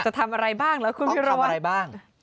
จะทำอะไรบ้างน่ะคุณพีรวา